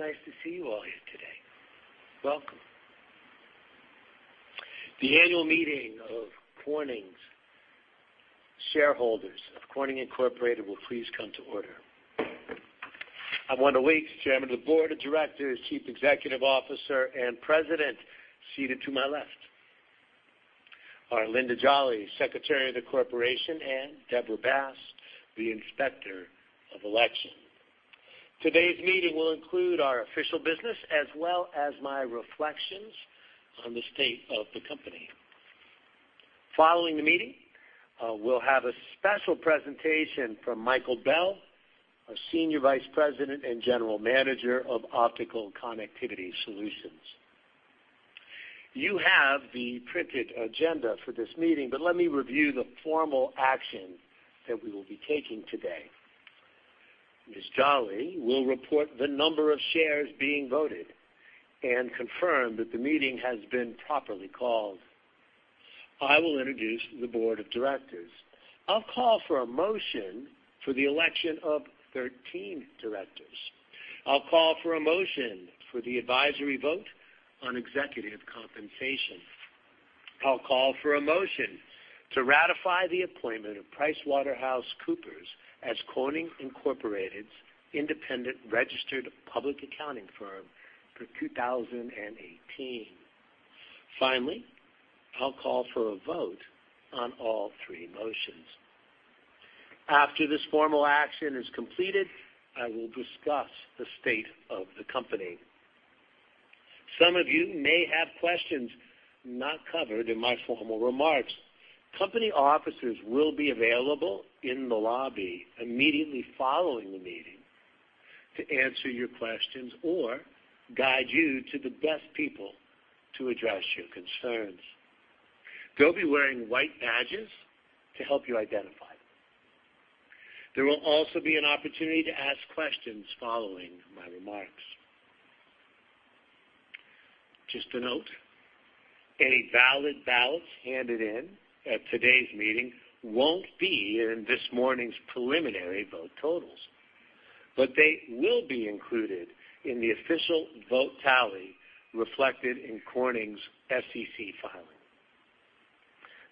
Nice to see you all here today. Welcome. The annual meeting of Corning's shareholders of Corning Incorporated will please come to order. I'm Wendell Weeks, chairman of the board of directors, chief executive officer, and president. Seated to my left are Linda Jolly, Secretary of the Corporation, and Debra Bass, the Inspector of Election. Today's meeting will include our official business as well as my reflections on the state of the company. Following the meeting, we'll have a special presentation from Michael Bell, our senior vice president and general manager of Optical Connectivity Solutions. You have the printed agenda for this meeting, but let me review the formal action that we will be taking today. Ms. Jolly will report the number of shares being voted and confirm that the meeting has been properly called. I will introduce the board of directors. I'll call for a motion for the election of 13 directors. I'll call for a motion for the advisory vote on executive compensation. I'll call for a motion to ratify the appointment of PricewaterhouseCoopers as Corning Incorporated's independent registered public accounting firm for 2018. Finally, I'll call for a vote on all three motions. After this formal action is completed, I will discuss the state of the company. Some of you may have questions not covered in my formal remarks. Company officers will be available in the lobby immediately following the meeting to answer your questions or guide you to the best people to address your concerns. They'll be wearing white badges to help you identify them. There will also be an opportunity to ask questions following my remarks. Just a note, any valid ballots handed in at today's meeting won't be in this morning's preliminary vote totals, but they will be included in the official vote tally reflected in Corning's SEC filing.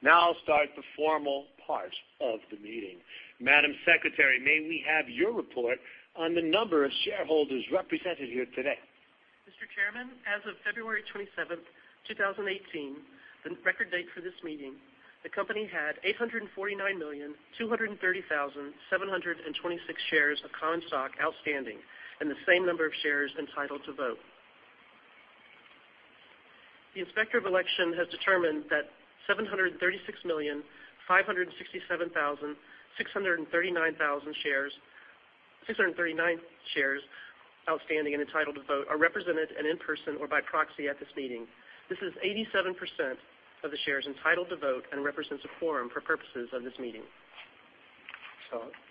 Now I'll start the formal part of the meeting. Madam Secretary, may we have your report on the number of shareholders represented here today? Mr. Chairman, as of February 27th, 2018, the record date for this meeting, the company had 849,230,726 shares of common stock outstanding and the same number of shares entitled to vote. The Inspector of Election has determined that 736,567,639 shares outstanding and entitled to vote are represented and in person or by proxy at this meeting. This is 87% of the shares entitled to vote and represents a quorum for purposes of this meeting.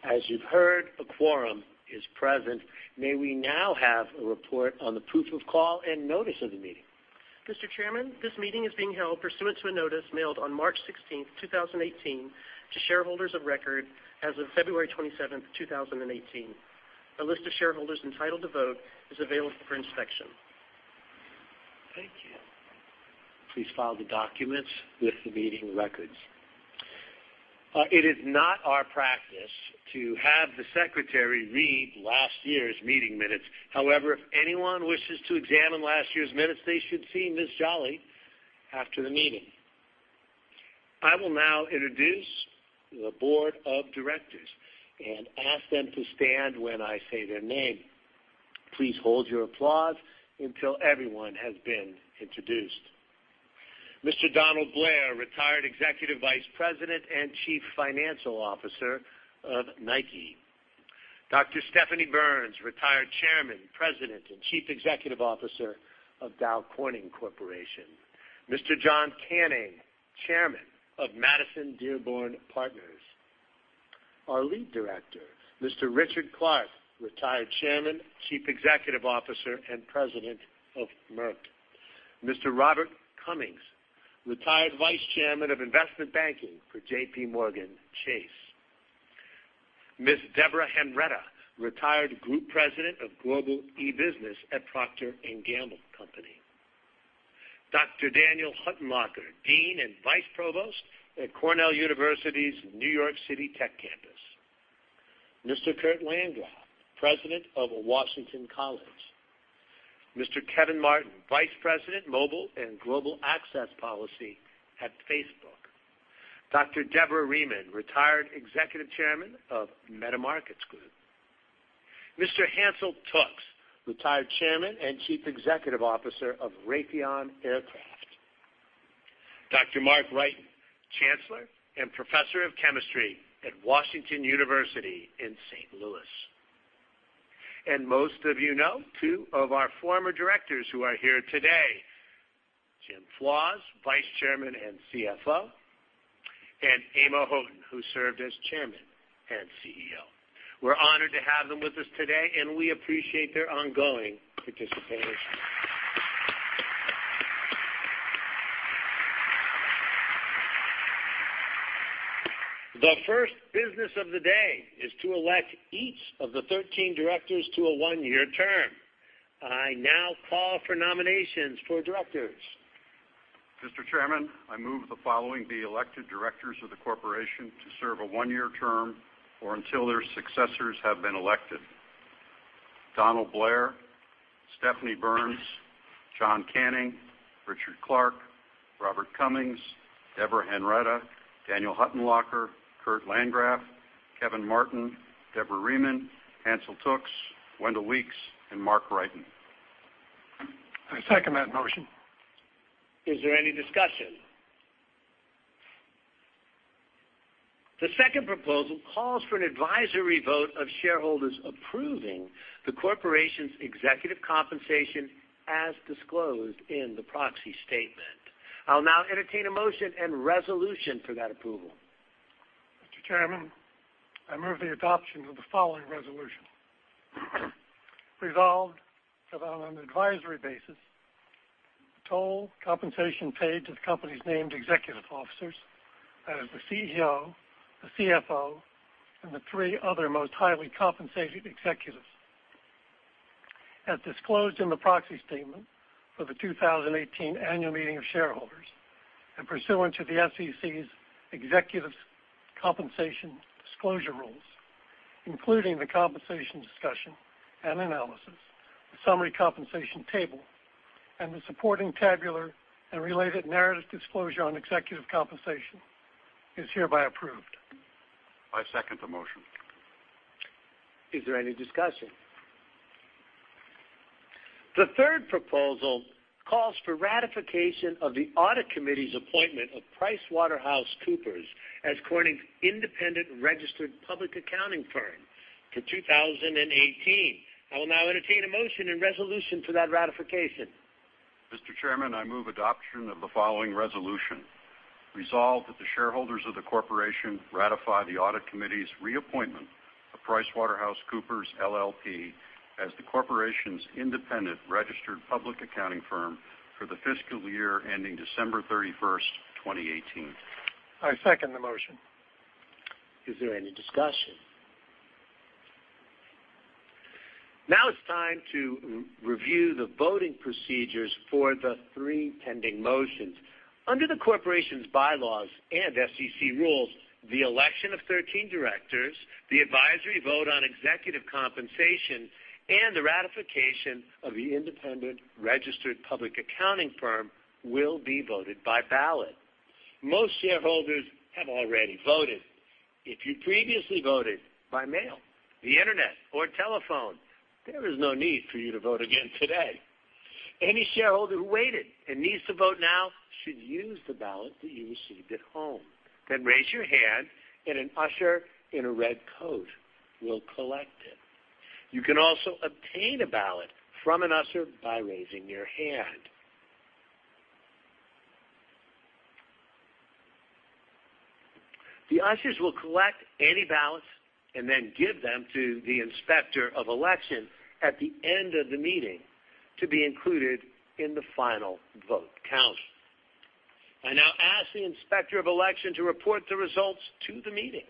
As you've heard, a quorum is present. May we now have a report on the proof of call and notice of the meeting? Mr. Chairman, this meeting is being held pursuant to a notice mailed on March 16th, 2018, to shareholders of record as of February 27th, 2018. A list of shareholders entitled to vote is available for inspection. Thank you. Please file the documents with the meeting records. It is not our practice to have the secretary read last year's meeting minutes. However, if anyone wishes to examine last year's minutes, they should see Ms. Jolly after the meeting. I will now introduce the board of directors and ask them to stand when I say their name. Please hold your applause until everyone has been introduced. Mr. Donald Blair, retired Executive Vice President and Chief Financial Officer of Nike. Dr. Stephanie Burns, retired Chairman, President, and Chief Executive Officer of Dow Corning Corporation. Mr. John Canning, Chairman of Madison Dearborn Partners. Our lead director, Mr. Richard Clark, retired Chairman, Chief Executive Officer, and President of Merck. Mr. Robert Cummings, retired Vice Chairman of Investment Banking for JPMorgan Chase. Ms. Deborah Henretta, retired Group President of Global e-Business at Procter & Gamble Company. Dr. Daniel Huttenlocher, Dean and Vice Provost at Cornell University's New York City Tech campus. Mr. Kurt Landgraf, President of Washington College. Mr. Kevin Martin, Vice President, Mobile, and Global Access Policy at Facebook. Dr. Deborah Rieman, retired Executive Chairman of MetaMarkets Group. Mr. Hansel Tookes, retired Chairman and Chief Executive Officer of Raytheon Aircraft. Dr. Mark Wrighton, Chancellor and Professor of Chemistry at Washington University in St. Louis. Most of you know two of our former directors who are here today, Jim Flaws, Vice Chairman and CFO, and Amo Houghton, who served as Chairman and CEO. We are honored to have them with us today, and we appreciate their ongoing participation. The first business of the day is to elect each of the 13 directors to a one-year term. I now call for nominations for directors. Mr. Chairman, I move the following be elected directors of the corporation to serve a one-year term or until their successors have been elected: Donald Blair, Stephanie Burns, John Canning, Richard Clark, Robert Cummings, Deborah Henretta, Daniel Huttenlocher, Kurt Landgraf, Kevin Martin, Deborah Rieman, Hansel Tookes, Wendell Weeks, and Mark Wrighton. I second that motion. Is there any discussion? The second proposal calls for an advisory vote of shareholders approving the corporation's executive compensation as disclosed in the proxy statement. I'll now entertain a motion and resolution for that approval. Mr. Chairman, I move the adoption of the following resolution. Resolved, that on an advisory basis, total compensation paid to the company's named executive officers, that is the CEO, the CFO, and the three other most highly compensated executives. As disclosed in the proxy statement for the 2018 annual meeting of shareholders and pursuant to the SEC's executives compensation disclosure rules, including the compensation discussion and analysis, the summary compensation table, and the supporting tabular and related narrative disclosure on executive compensation, is hereby approved. I second the motion. Is there any discussion? The third proposal calls for ratification of the audit committee's appointment of PricewaterhouseCoopers as Corning's independent registered public accounting firm for 2018. I will now entertain a motion and resolution for that ratification. Mr. Chairman, I move adoption of the following resolution. Resolve that the shareholders of the corporation ratify the audit committee's reappointment of PricewaterhouseCoopers LLP as the corporation's independent registered public accounting firm for the fiscal year ending December 31st, 2018. I second the motion. Is there any discussion? Now it's time to review the voting procedures for the three pending motions. Under the corporation's bylaws and SEC rules, the election of 13 directors, the advisory vote on executive compensation, and the ratification of the independent registered public accounting firm will be voted by ballot. Most shareholders have already voted. If you previously voted by mail, the Internet, or telephone, there is no need for you to vote again today. Any shareholder who waited and needs to vote now should use the ballot that you received at home. Raise your hand and an usher in a red coat will collect it. You can also obtain a ballot from an usher by raising your hand. The ushers will collect any ballots and give them to the Inspector of Election at the end of the meeting to be included in the final vote count. I now ask the Inspector of Election to report the results to the meeting.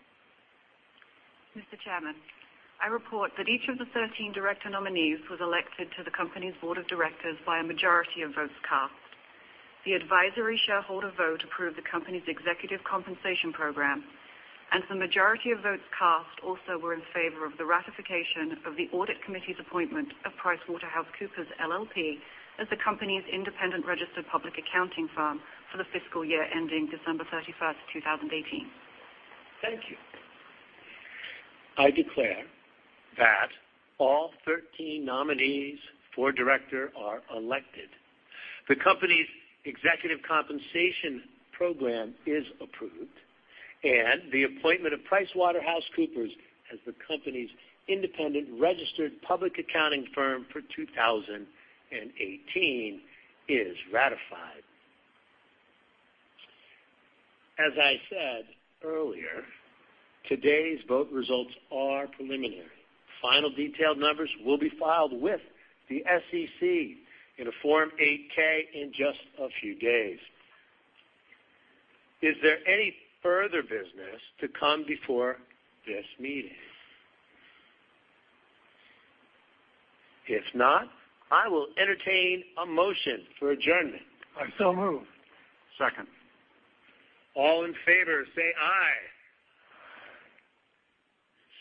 Mr. Chairman, I report that each of the 13 director nominees was elected to the company's board of directors by a majority of votes cast. The advisory shareholder vote approved the company's executive compensation program, and the majority of votes cast also were in favor of the ratification of the audit committee's appointment of PricewaterhouseCoopers LLP as the company's independent registered public accounting firm for the fiscal year ending December 31st, 2018. Thank you. I declare that all 13 nominees for director are elected. The company's executive compensation program is approved, and the appointment of PricewaterhouseCoopers as the company's independent registered public accounting firm for 2018 is ratified. As I said earlier, today's vote results are preliminary. Final detailed numbers will be filed with the SEC in a Form 8-K in just a few days. Is there any further business to come before this meeting? If not, I will entertain a motion for adjournment. I so move. Second. All in favor say aye. Aye.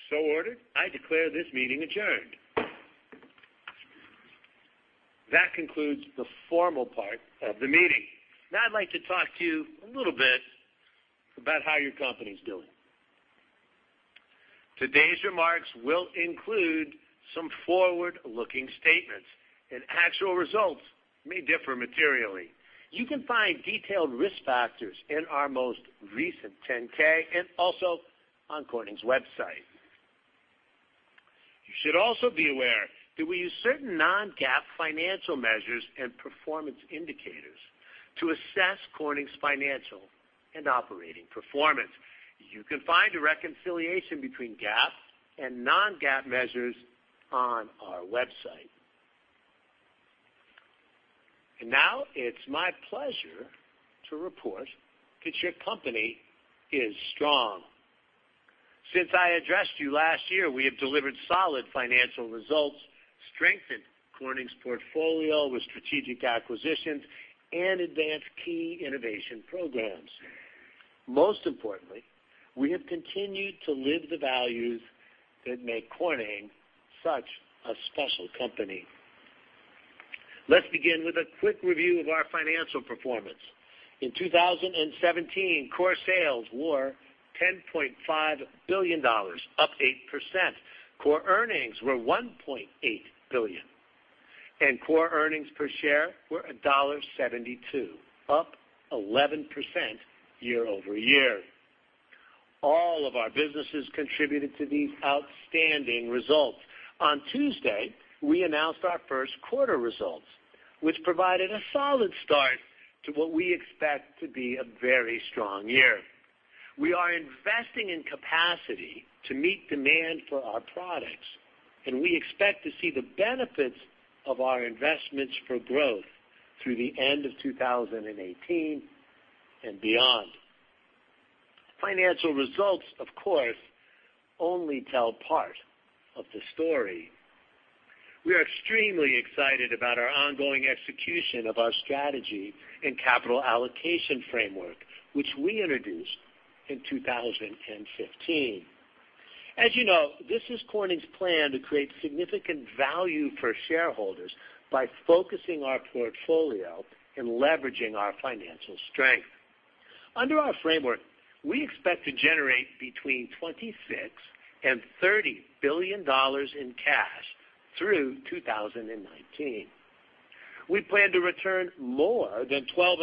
So ordered. I declare this meeting adjourned. That concludes the formal part of the meeting. Now I'd like to talk to you a little bit about how your company's doing. Today's remarks will include some forward-looking statements, and actual results may differ materially. You can find detailed risk factors in our most recent 10-K and also on Corning's website. You should also be aware that we use certain non-GAAP financial measures and performance indicators to assess Corning's financial and operating performance. You can find a reconciliation between GAAP and non-GAAP measures on our website. Now it's my pleasure to report that your company is strong. Since I addressed you last year, we have delivered solid financial results, strengthened Corning's portfolio with strategic acquisitions, and advanced key innovation programs. Most importantly, we have continued to live the values that make Corning such a special company. Let's begin with a quick review of our financial performance. In 2017, core sales were $10.5 billion, up 8%. Core earnings were $1.8 billion, and core earnings per share were $1.72, up 11% year-over-year. All of our businesses contributed to these outstanding results. On Tuesday, we announced our first quarter results, which provided a solid start to what we expect to be a very strong year. We are investing in capacity to meet demand for our products, and we expect to see the benefits of our investments for growth through the end of 2018 and beyond. Financial results, of course, only tell part of the story. We are extremely excited about our ongoing execution of our strategy and capital allocation framework, which we introduced in 2015. As you know, this is Corning's plan to create significant value for shareholders by focusing our portfolio and leveraging our financial strength. Under our framework, we expect to generate between $26 billion and $30 billion in cash through 2019. We plan to return more than $12.5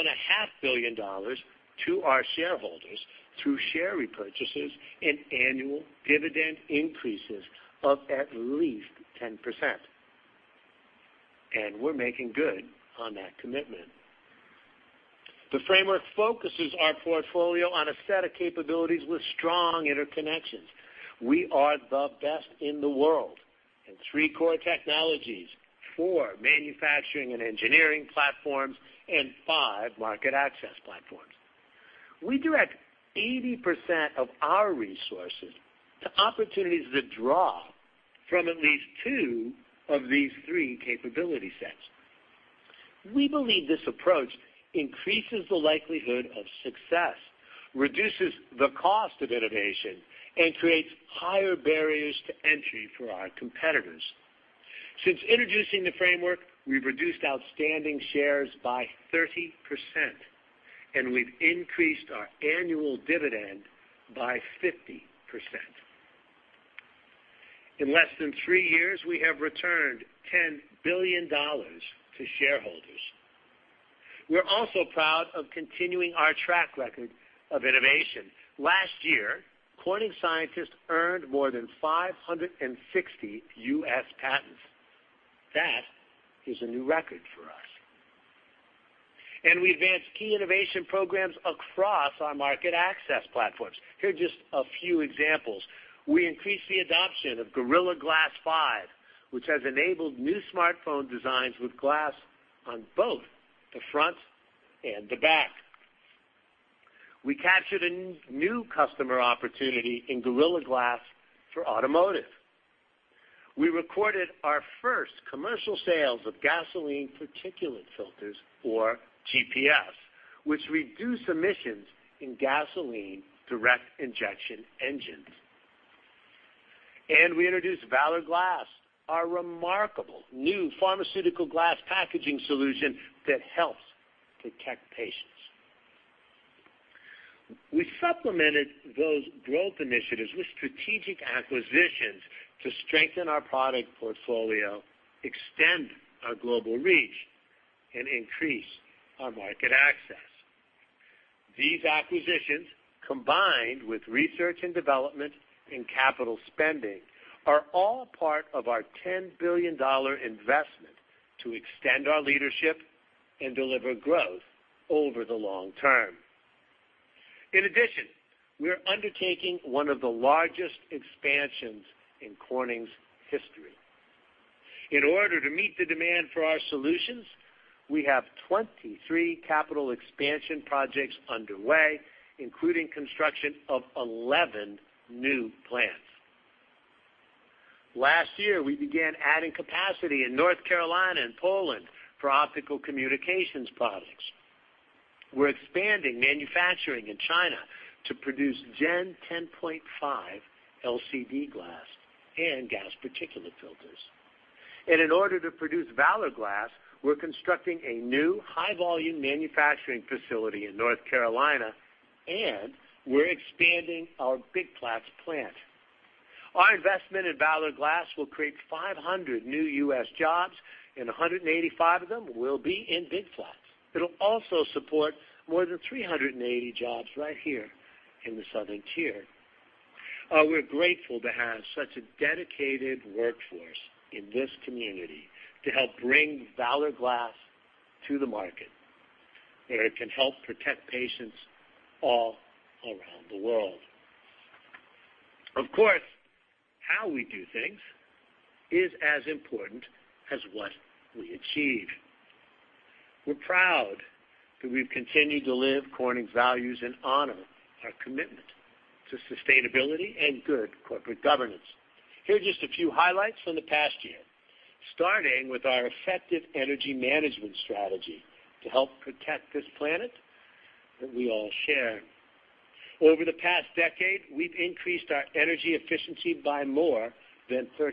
billion to our shareholders through share repurchases and annual dividend increases of at least 10%, and we're making good on that commitment. The framework focuses our portfolio on a set of capabilities with strong interconnections. We are the best in the world in 3 core technologies, 4 manufacturing and engineering platforms, and 5 market access platforms. We direct 80% of our resources to opportunities that draw from at least two of these three capability sets. We believe this approach increases the likelihood of success, reduces the cost of innovation, and creates higher barriers to entry for our competitors. Since introducing the framework, we've reduced outstanding shares by 30%, and we've increased our annual dividend by 50%. In less than three years, we have returned $10 billion to shareholders. We're also proud of continuing our track record of innovation. Last year, Corning scientists earned more than 560 U.S. patents. That is a new record for us. We advanced key innovation programs across our market access platforms. Here are just a few examples. We increased the adoption of Gorilla Glass 5, which has enabled new smartphone designs with glass on both the front and the back. We captured a new customer opportunity in Gorilla Glass for automotive. We recorded our first commercial sales of gasoline particulate filters, or GPFs, which reduce emissions in gasoline direct injection engines. We introduced Valor Glass, our remarkable new pharmaceutical glass packaging solution that helps protect patients. We supplemented those growth initiatives with strategic acquisitions to strengthen our product portfolio, extend our global reach, and increase our market access. These acquisitions, combined with research and development and capital spending, are all part of our $10 billion investment to extend our leadership and deliver growth over the long term. In addition, we are undertaking one of the largest expansions in Corning's history. In order to meet the demand for our solutions, we have 23 capital expansion projects underway, including construction of 11 new plants. Last year, we began adding capacity in North Carolina and Poland for Optical Communications products. We're expanding manufacturing in China to produce Gen 10.5 LCD glass and gas particulate filters. In order to produce Valor Glass, we're constructing a new high-volume manufacturing facility in North Carolina, and we're expanding our Big Flats plant. Our investment in Valor Glass will create 500 new U.S. jobs, and 185 of them will be in Big Flats. It'll also support more than 380 jobs right here in the Southern Tier. We're grateful to have such a dedicated workforce in this community to help bring Valor Glass to the market, where it can help protect patients all around the world. Of course, how we do things is as important as what we achieve. We're proud that we've continued to live Corning's values and honor our commitment to sustainability and good corporate governance. Here are just a few highlights from the past year, starting with our effective energy management strategy to help protect this planet that we all share. Over the past decade, we've increased our energy efficiency by more than 36%.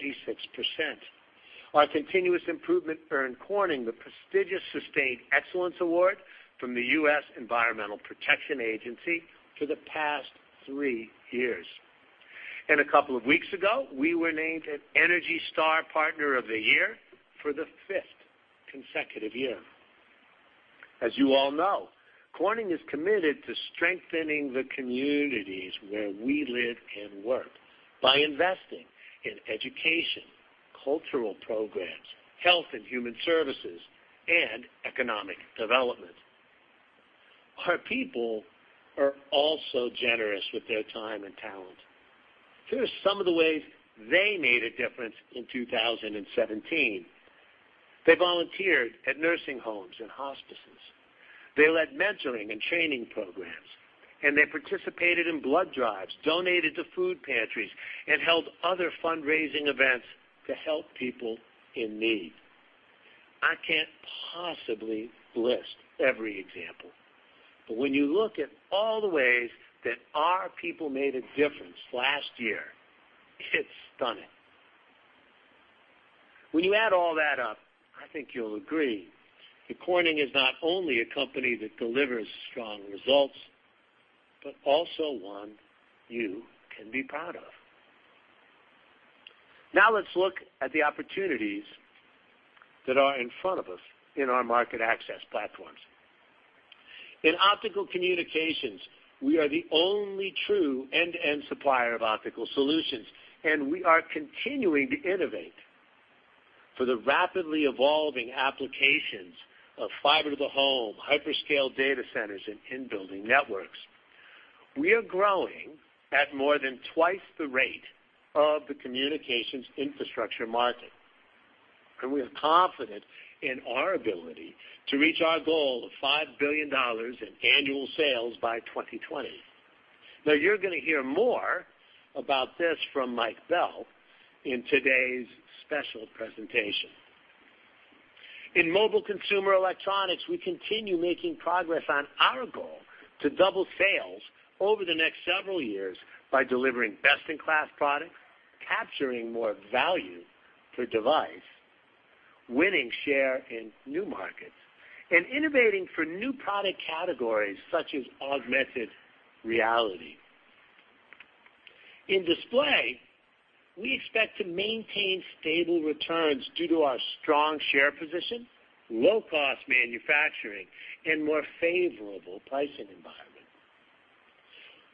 Our continuous improvement earned Corning the prestigious Sustained Excellence Award from the U.S. Environmental Protection Agency for the past three years. A couple of weeks ago, we were named an ENERGY STAR Partner of the Year for the fifth consecutive year. As you all know, Corning is committed to strengthening the communities where we live and work by investing in education, cultural programs, health and human services, and economic development. Our people are also generous with their time and talent. Here are some of the ways they made a difference in 2017. They volunteered at nursing homes and hospices. They led mentoring and training programs, and they participated in blood drives, donated to food pantries, and held other fundraising events to help people in need. I can't possibly list every example, but when you look at all the ways that our people made a difference last year, it's stunning. When you add all that up, I think you'll agree that Corning is not only a company that delivers strong results, but also one you can be proud of. Let's look at the opportunities that are in front of us in our market access platforms. In Optical Communications, we are the only true end-to-end supplier of optical solutions, and we are continuing to innovate for the rapidly evolving applications of fiber to the home, hyperscale data centers, and in-building networks. We are growing at more than twice the rate of the communications infrastructure market, and we are confident in our ability to reach our goal of $5 billion in annual sales by 2020. You're going to hear more about this from Mike Bell in today's special presentation. In mobile consumer electronics, we continue making progress on our goal to double sales over the next several years by delivering best-in-class products, capturing more value per device, winning share in new markets, and innovating for new product categories such as augmented reality. In display, we expect to maintain stable returns due to our strong share position, low-cost manufacturing, and more favorable pricing environment.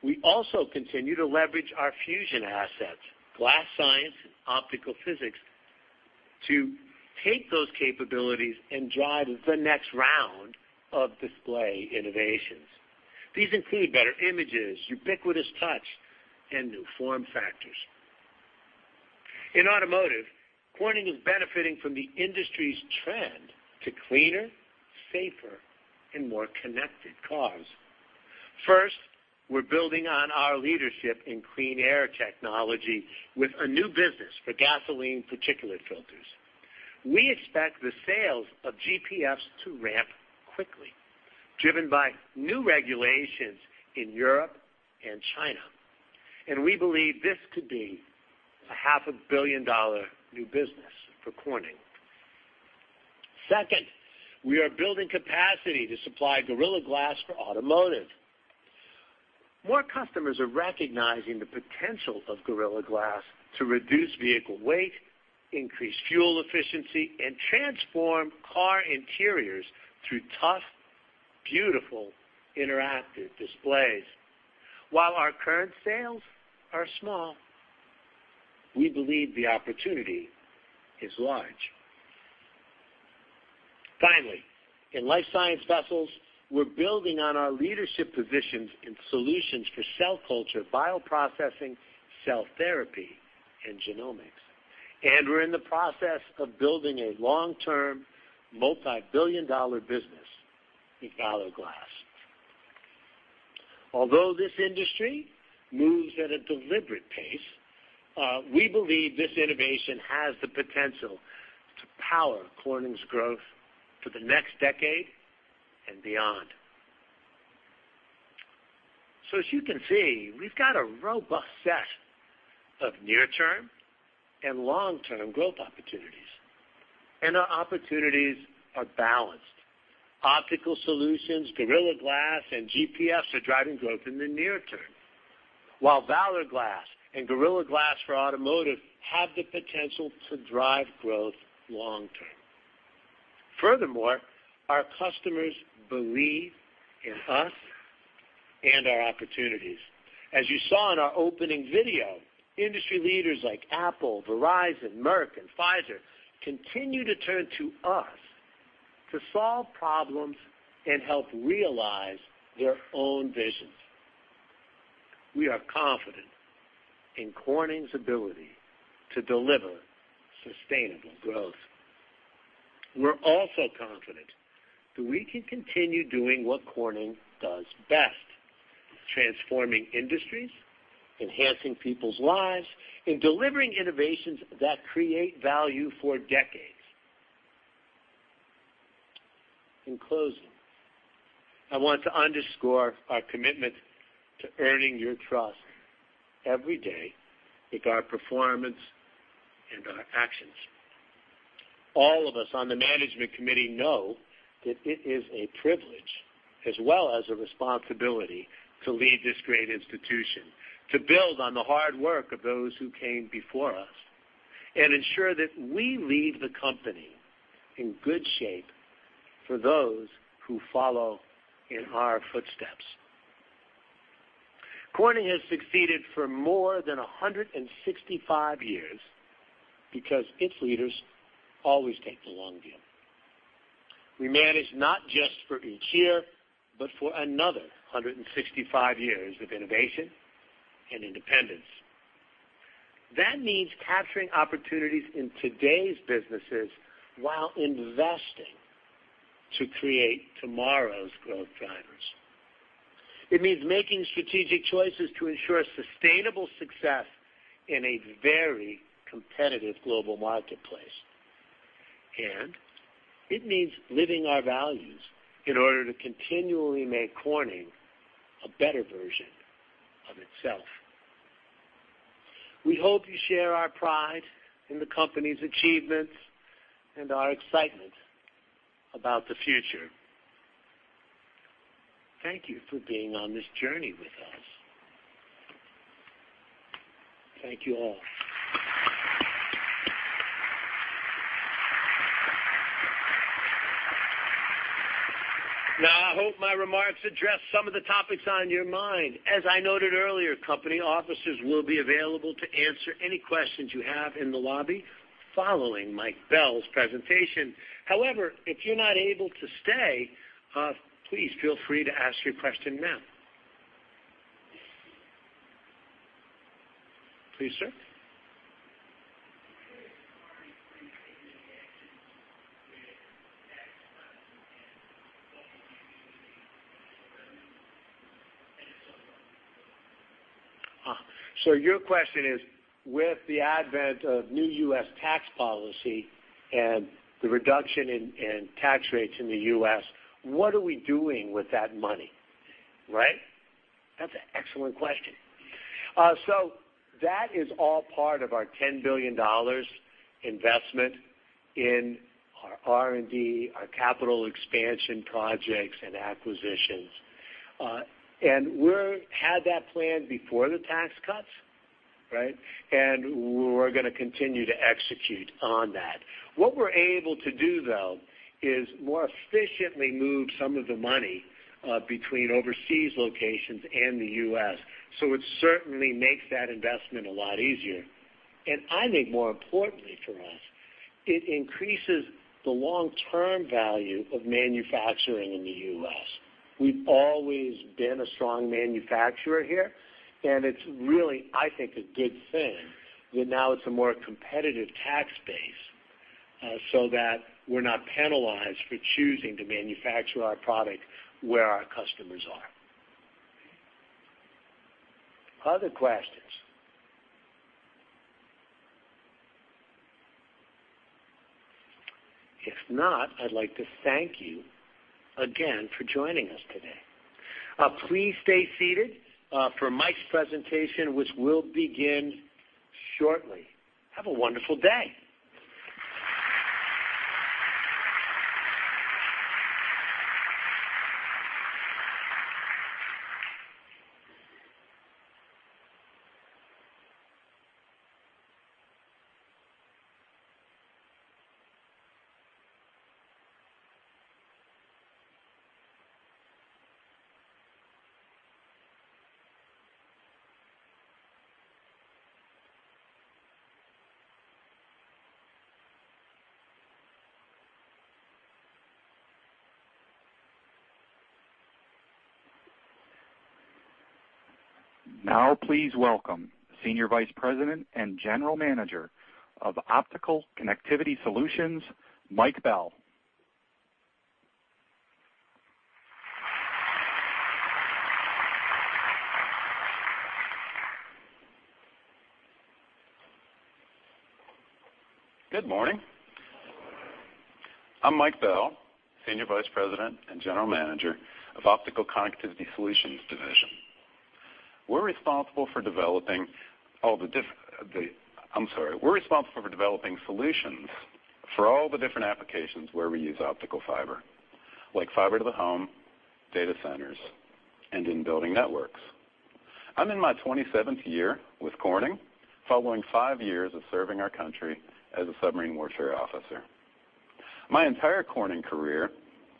We also continue to leverage our fusion assets, glass science, and optical physics to take those capabilities and drive the next round of display innovations. These include better images, ubiquitous touch, and new form factors. In automotive, Corning is benefiting from the industry's trend to cleaner, safer, and more connected cars. First, we're building on our leadership in clean air technology with a new business for gasoline particulate filters. We expect the sales of GPFs to ramp quickly, driven by new regulations in Europe and China. We believe this could be a half a billion-dollar new business for Corning. Second, we are building capacity to supply Gorilla Glass for automotive. More customers are recognizing the potential of Gorilla Glass to reduce vehicle weight, increase fuel efficiency, and transform car interiors through tough, beautiful interactive displays. While our current sales are small, we believe the opportunity is large. Finally, in life science vessels, we're building on our leadership positions in solutions for cell culture, bioprocessing, cell therapy, and genomics. We're in the process of building a long-term, multi-billion-dollar business in Valor Glass. Although this industry moves at a deliberate pace, we believe this innovation has the potential to power Corning's growth for the next decade and beyond. As you can see, we've got a robust set of near-term and long-term growth opportunities, and our opportunities are balanced. Optical solutions, Gorilla Glass, and GPFs are driving growth in the near term, while Valor Glass and Gorilla Glass for automotive have the potential to drive growth long term. Furthermore, our customers believe in us and our opportunities. As you saw in our opening video, industry leaders like Apple, Verizon, Merck, and Pfizer continue to turn to us to solve problems and help realize their own visions. We are confident in Corning's ability to deliver sustainable growth. We're also confident that we can continue doing what Corning does best, transforming industries, enhancing people's lives, and delivering innovations that create value for decades. In closing, I want to underscore our commitment to earning your trust every day with our performance and our actions. All of us on the management committee know that it is a privilege as well as a responsibility to lead this great institution, to build on the hard work of those who came before us, and ensure that we leave the company in good shape for those who follow in our footsteps. Corning has succeeded for more than 165 years because its leaders always take the long view. We manage not just for each year, but for another 165 years of innovation and independence. That means capturing opportunities in today's businesses while investing to create tomorrow's growth drivers. It means making strategic choices to ensure sustainable success in a very competitive global marketplace. It means living our values in order to continually make Corning a better version of itself. We hope you share our pride in the company's achievements and our excitement about the future. Thank you for being on this journey with us. Thank you all. Now, I hope my remarks address some of the topics on your mind. As I noted earlier, company officers will be available to answer any questions you have in the lobby following Mike Bell's presentation. However, if you're not able to stay, please feel free to ask your question now. Please, sir. Could Corning please take any actions with tax cuts and what will you be doing with the revenue and so forth? Your question is, with the advent of new U.S. tax policy and the reduction in tax rates in the U.S., what are we doing with that money? Right? That's an excellent question. That is all part of our $10 billion investment in our R&D, our capital expansion projects, and acquisitions. We had that plan before the tax cuts, right? We're going to continue to execute on that. What we're able to do, though, is more efficiently move some of the money between overseas locations and the U.S., so it certainly makes that investment a lot easier. I think more importantly for us, it increases the long-term value of manufacturing in the U.S. We've always been a strong manufacturer here, it's really, I think, a good thing that now it's a more competitive tax base so that we're not penalized for choosing to manufacture our product where our customers are. Other questions? If not, I'd like to thank you again for joining us today. Please stay seated for Mike's presentation, which will begin shortly. Have a wonderful day. Now please welcome Senior Vice President and General Manager of Optical Connectivity Solutions, Mike Bell. Good morning. Good morning. I'm Mike Bell, Senior Vice President and General Manager of Optical Connectivity Solutions Division. We're responsible for developing solutions for all the different applications where we use optical fiber, like fiber to the home, data centers, and in building networks. I'm in my 27th year with Corning, following five years of serving our country as a submarine warfare officer. My entire Corning career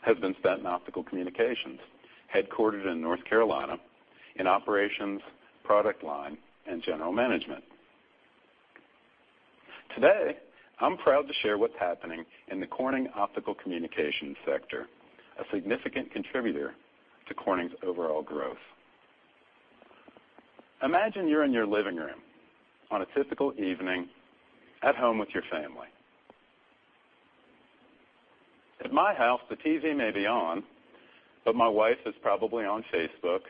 has been spent in Optical Communications, headquartered in North Carolina, in operations, product line, and general management. Today, I'm proud to share what's happening in the Corning Optical Communications sector, a significant contributor to Corning's overall growth. Imagine you're in your living room on a typical evening at home with your family. At my house, the TV may be on, but my wife is probably on Facebook,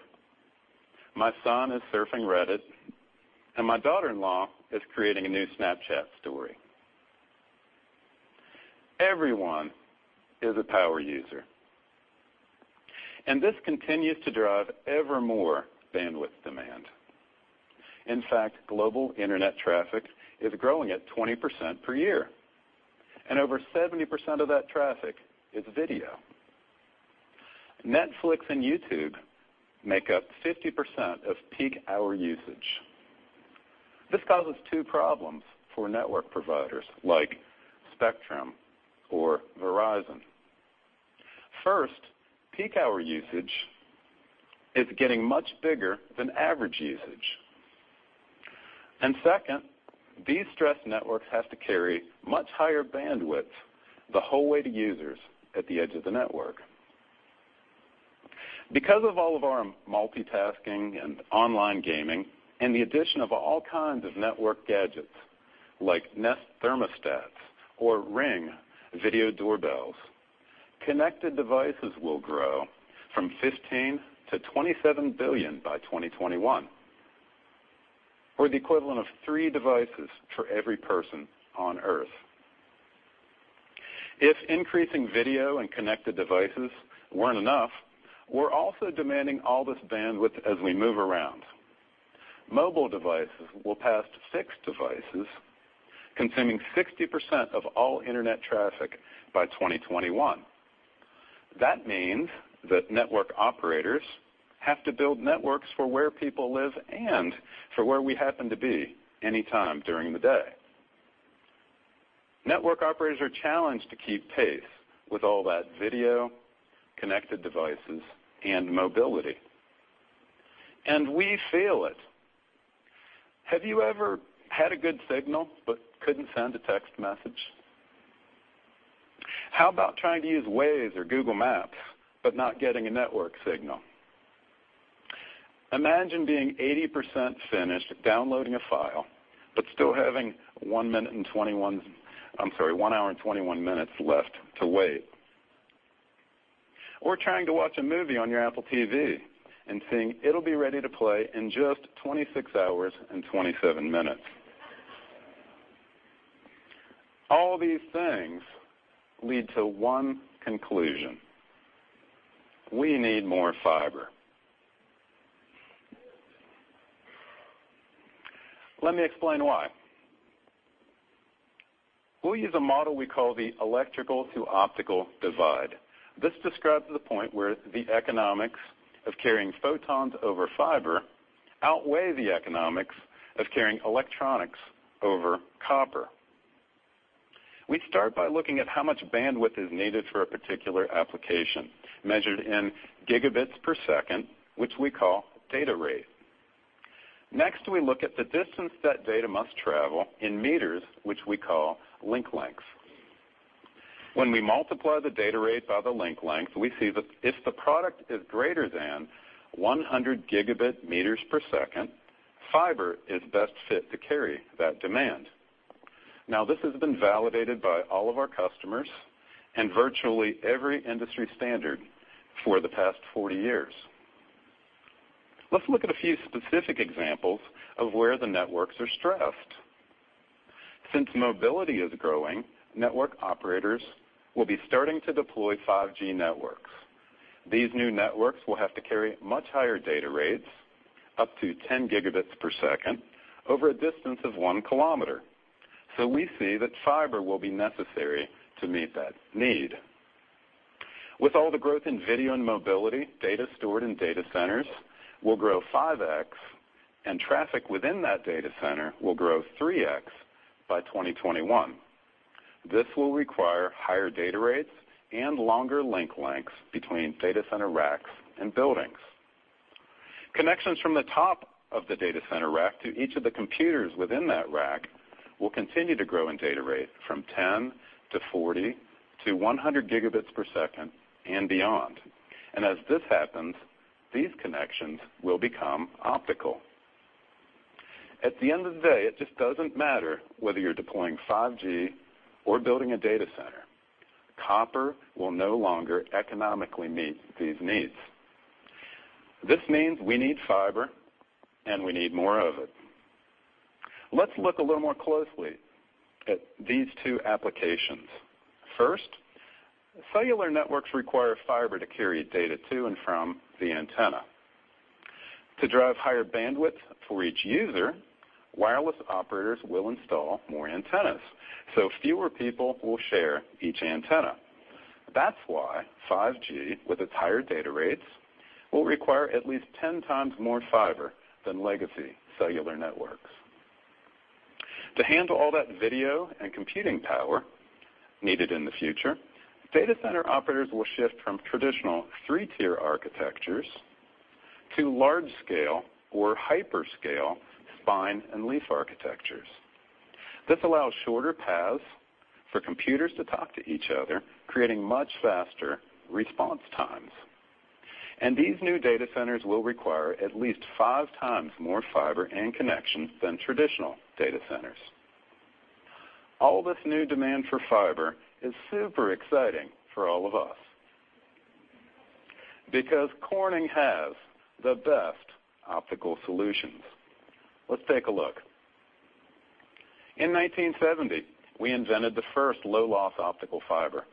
my son is surfing Reddit, and my daughter-in-law is creating a new Snapchat story. Everyone is a power user, and this continues to drive ever more bandwidth demand. In fact, global internet traffic is growing at 20% per year, and over 70% of that traffic is video. Netflix and YouTube make up 50% of peak-hour usage. This causes two problems for network providers like Spectrum or Verizon. First, peak-hour usage is getting much bigger than average usage. Second, these stressed networks have to carry much higher bandwidth the whole way to users at the edge of the network. Because of all of our multitasking and online gaming and the addition of all kinds of network gadgets like Nest Thermostats or Ring video doorbells, connected devices will grow from 15 to 27 billion by 2021, or the equivalent of three devices for every person on earth. If increasing video and connected devices weren't enough, we're also demanding all this bandwidth as we move around. Mobile devices will pass six devices, consuming 60% of all internet traffic by 2021. That means that network operators have to build networks for where people live and for where we happen to be anytime during the day. Network operators are challenged to keep pace with all that video, connected devices, and mobility, and we feel it. Have you ever had a good signal but couldn't send a text message? How about trying to use Waze or Google Maps, but not getting a network signal? Imagine being 80% finished downloading a file, but still having one hour and 21 minutes left to wait. Or trying to watch a movie on your Apple TV and seeing it'll be ready to play in just 26 hours and 27 minutes. All these things lead to one conclusion. We need more fiber. Let me explain why. We'll use a model we call the electrical-to-optical divide. This describes the point where the economics of carrying photons over fiber outweigh the economics of carrying electronics over copper. We start by looking at how much bandwidth is needed for a particular application, measured in gigabits per second, which we call data rate. Next, we look at the distance that data must travel in meters, which we call link length. When we multiply the data rate by the link length, we see that if the product is greater than 100 gigabit meters per second, fiber is best fit to carry that demand. This has been validated by all of our customers and virtually every industry standard for the past 40 years. Let's look at a few specific examples of where the networks are stressed. Since mobility is growing, network operators will be starting to deploy 5G networks. These new networks will have to carry much higher data rates, up to 10 gigabits per second, over a distance of 1 kilometer. We see that fiber will be necessary to meet that need. With all the growth in video and mobility, data stored in data centers will grow 5x, and traffic within that data center will grow 3x by 2021. This will require higher data rates and longer link lengths between data center racks and buildings. Connections from the top of the data center rack to each of the computers within that rack will continue to grow in data rate from 10 to 40 to 100 gigabits per second and beyond. As this happens, these connections will become optical. At the end of the day, it just doesn't matter whether you're deploying 5G or building a data center. Copper will no longer economically meet these needs. This means we need fiber, and we need more of it. Let's look a little more closely at these two applications. First, cellular networks require fiber to carry data to and from the antenna. To drive higher bandwidth for each user, wireless operators will install more antennas, so fewer people will share each antenna. That's why 5G, with its higher data rates, will require at least 10 times more fiber than legacy cellular networks. To handle all that video and computing power needed in the future, data center operators will shift from traditional three-tier architectures to large scale or hyperscale spine and leaf architectures. This allows shorter paths for computers to talk to each other, creating much faster response times. These new data centers will require at least five times more fiber and connections than traditional data centers. All this new demand for fiber is super exciting for all of us because Corning has the best optical solutions. Let's take a look. In 1970, we invented the first low-loss optical fiber.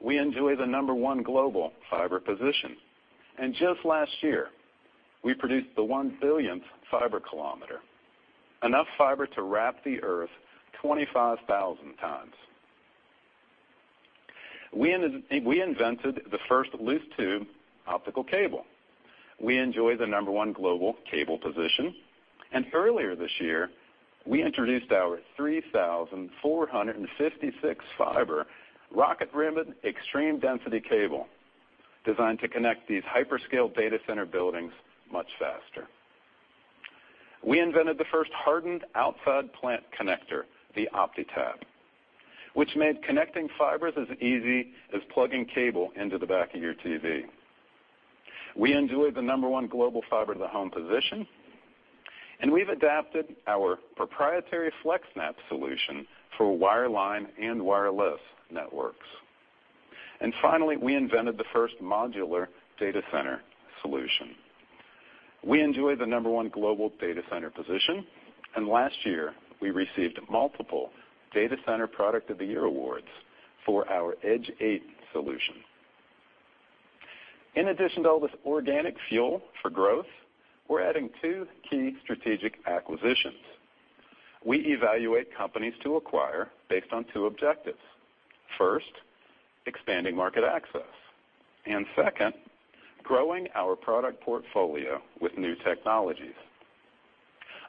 We enjoy the number one global fiber position. Just last year, we produced the one billionth fiber kilometer, enough fiber to wrap the Earth 25,000 times. We invented the first loose tube optical cable. We enjoy the number one global cable position. Earlier this year, we introduced our 3,456 fiber RocketRibbon extreme density cable designed to connect these hyperscale data center buildings much faster. We invented the first hardened outside plant connector, the OptiTap, which made connecting fibers as easy as plugging cable into the back of your TV. We enjoy the number one global fiber-to-the-home position, and we've adapted our proprietary FlexNAP solution for wireline and wireless networks. We invented the first modular data center solution. We enjoy the number one global data center position, and last year, we received multiple data center product of the year awards for our EDGE8 solution. In addition to all this organic fuel for growth, we're adding two key strategic acquisitions. We evaluate companies to acquire based on two objectives. First, expanding market access, and second, growing our product portfolio with new technologies.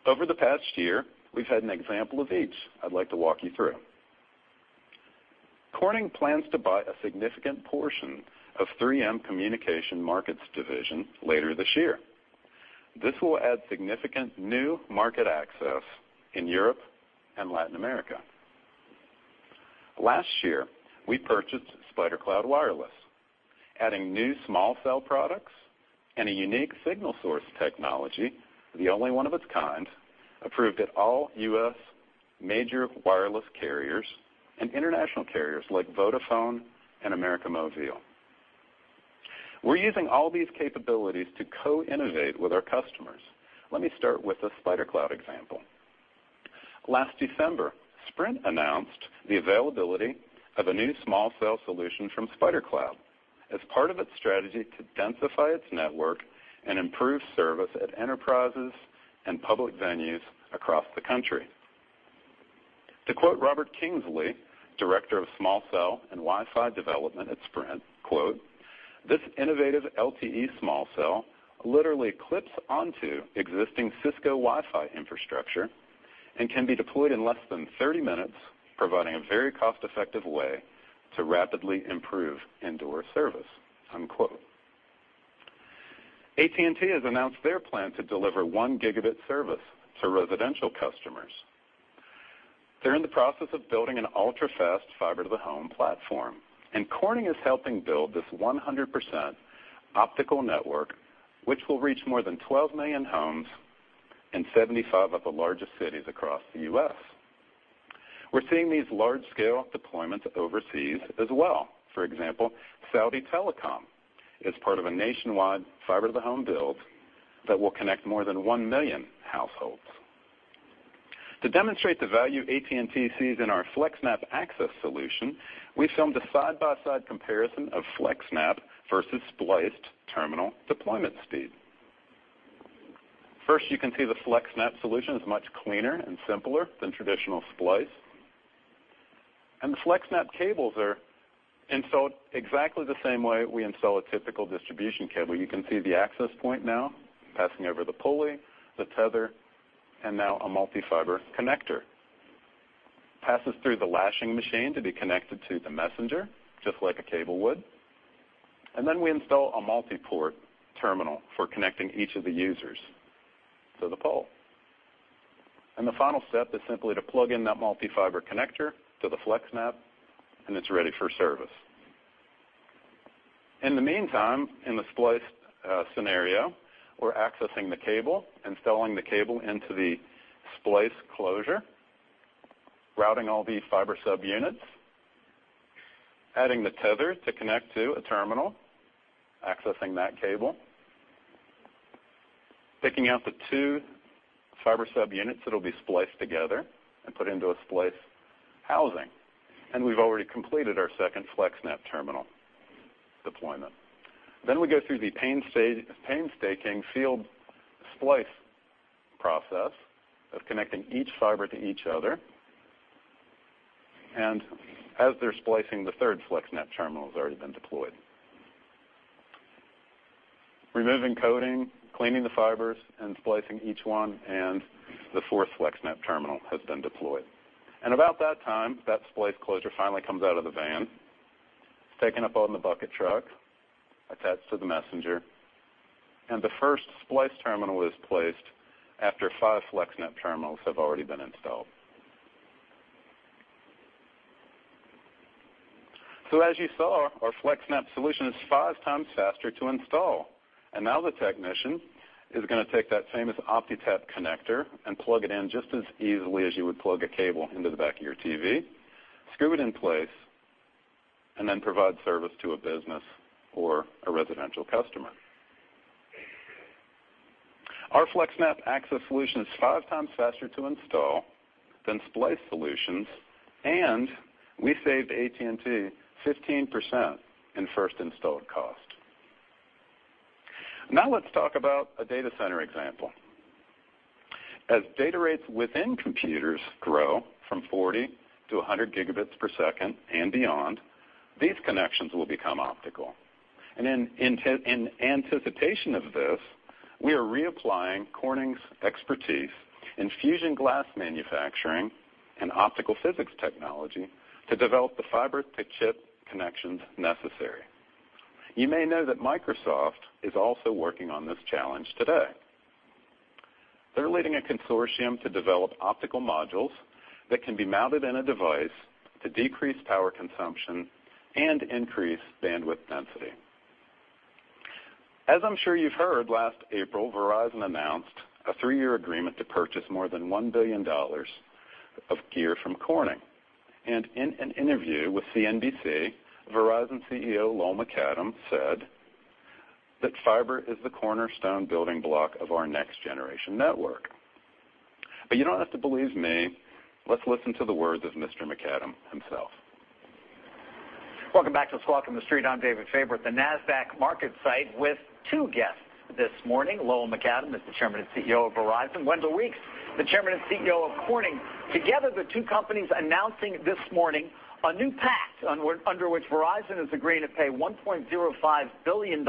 Over the past year, we've had an example of each I'd like to walk you through. Corning plans to buy a significant portion of 3M Communication Markets Division later this year. This will add significant new market access in Europe and Latin America. Last year, we purchased SpiderCloud Wireless, adding new small cell products and a unique signal source technology, the only one of its kind, approved at all U.S. major wireless carriers and international carriers like Vodafone and América Móvil. We're using all these capabilities to co-innovate with our customers. Let me start with the SpiderCloud example. Last December, Sprint announced the availability of a new small cell solution from SpiderCloud as part of its strategy to densify its network and improve service at enterprises and public venues across the country. To quote Robert Kingsley, Director of Small Cell and Wi-Fi Development at Sprint, quote, "This innovative LTE small cell literally clips onto existing Cisco Wi-Fi infrastructure and can be deployed in less than 30 minutes, providing a very cost-effective way to rapidly improve indoor service." Unquote. AT&T has announced their plan to deliver one gigabit service to residential customers. They're in the process of building an ultra-fast fiber-to-the-home platform, Corning is helping build this 100% optical network, which will reach more than 12 million homes in 75 of the largest cities across the U.S. We're seeing these large-scale deployments overseas as well. For example, Saudi Telecom is part of a nationwide fiber-to-the-home build that will connect more than 1 million households. To demonstrate the value AT&T sees in our FlexNAP access solution, we filmed a side-by-side comparison of FlexNAP versus spliced terminal deployment speed. First, you can see the FlexNAP solution is much cleaner and simpler than traditional splice. The FlexNAP cables are installed exactly the same way we install a typical distribution cable. You can see the access point now passing over the pulley, the tether, and now a multi-fiber connector. Passes through the lashing machine to be connected to the messenger, just like a cable would. Then we install a multi-port terminal for connecting each of the users to the pole. The final step is simply to plug in that multi-fiber connector to the FlexNAP, and it's ready for service. In the meantime, in the spliced scenario, we're accessing the cable, installing the cable into the splice closure, routing all these fiber subunits, adding the tether to connect to a terminal, accessing that cable, picking out the two fiber subunits that'll be spliced together and put into a splice housing. We've already completed our second FlexNAP terminal deployment. Then we go through the painstaking field splice process of connecting each fiber to each other. As they're splicing, the third FlexNAP terminal has already been deployed. Removing coating, cleaning the fibers, and splicing each one. About that time, the fourth FlexNAP terminal has been deployed. That splice closure finally comes out of the van. It is taken up on the bucket truck, attached to the messenger, and the first splice terminal is placed after five FlexNAP terminals have already been installed. As you saw, our FlexNAP solution is five times faster to install. Now the technician is going to take that famous OptiTap connector and plug it in just as easily as you would plug a cable into the back of your TV, screw it in place, and then provide service to a business or a residential customer. Our FlexNAP access solution is five times faster to install than splice solutions, and we saved AT&T 15% in first installed cost. Let's talk about a data center example. As data rates within computers grow from 40 to 100 gigabits per second and beyond, these connections will become optical. In anticipation of this, we are reapplying Corning's expertise in fusion glass manufacturing and optical physics technology to develop the fiber to chip connections necessary. You may know that Microsoft is also working on this challenge today. They're leading a consortium to develop optical modules that can be mounted in a device to decrease power consumption and increase bandwidth density. I'm sure you've heard, last April, Verizon announced a three-year agreement to purchase more than $1 billion of gear from Corning. In an interview with CNBC, Verizon CEO Lowell McAdam said that, "Fiber is the cornerstone building block of our next generation network." You don't have to believe me. Let's listen to the words of Mr. McAdam himself. Welcome back to Squawk on the Street. I'm David Faber at the Nasdaq market site with two guests this morning. Lowell McAdam is the chairman and CEO of Verizon. Wendell Weeks, the chairman and CEO of Corning. The two companies announcing this morning a new pact under which Verizon has agreed to pay $1.05 billion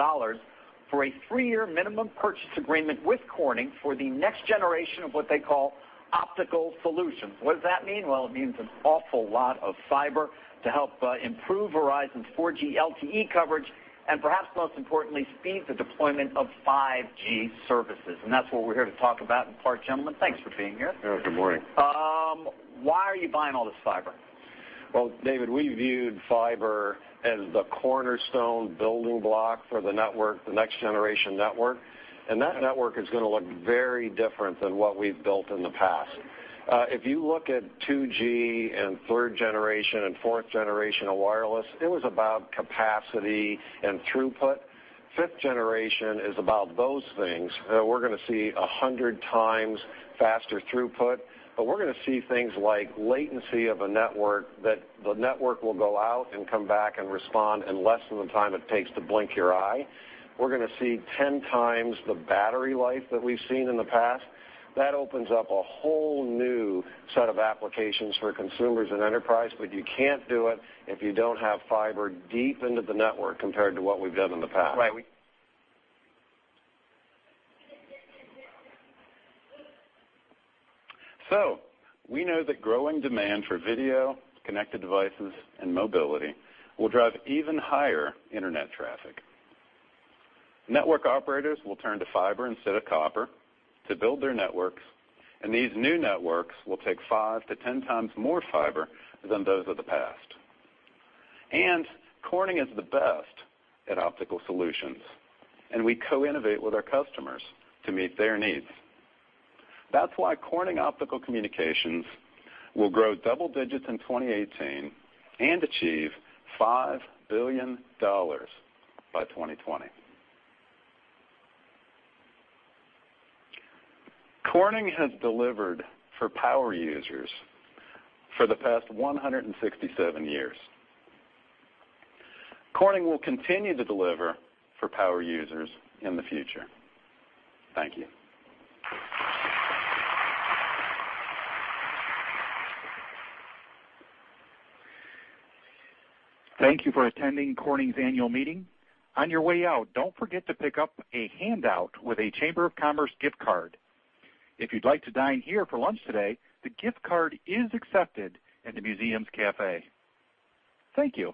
for a three-year minimum purchase agreement with Corning for the next generation of what they call optical solutions. What does that mean? Well, it means an awful lot of fiber to help improve Verizon's 4G LTE coverage and perhaps most importantly, speed the deployment of 5G services. That's what we're here to talk about in part, gentlemen. Thanks for being here. Yeah, good morning. Why are you buying all this fiber? Well, David, we viewed fiber as the cornerstone building block for the next generation network. That network is going to look very different than what we've built in the past. If you look at 2G and third generation and fourth generation of wireless, it was about capacity and throughput. Fifth generation is about those things. We're going to see 100 times faster throughput, we're going to see things like latency of a network that the network will go out and come back and respond in less than the time it takes to blink your eye. We're going to see 10 times the battery life that we've seen in the past. That opens up a whole new set of applications for consumers and enterprise, you can't do it if you don't have fiber deep into the network compared to what we've done in the past. Right. We know that growing demand for video, connected devices, and mobility will drive even higher internet traffic. Network operators will turn to fiber instead of copper to build their networks, these new networks will take five to 10 times more fiber than those of the past. Corning is the best at optical solutions, we co-innovate with our customers to meet their needs. That's why Corning Optical Communications will grow double digits in 2018 and achieve $5 billion by 2020. Corning has delivered for power users for the past 167 years. Corning will continue to deliver for power users in the future. Thank you. Thank you for attending Corning's annual meeting. On your way out, don't forget to pick up a handout with a Chamber of Commerce gift card. If you'd like to dine here for lunch today, the gift card is accepted in the museum's cafe. Thank you.